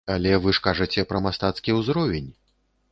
Але вы ж кажаце пра мастацкі ўзровень!